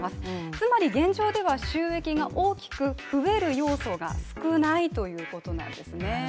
つまり現状では収益が大きく増える要素が少ないということなんですね。